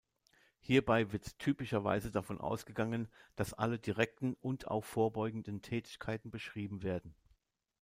Hierbei wird typischerweise davon ausgegangen, dass alle direkten und auch vorbeugenden Tätigkeiten beschrieben werden.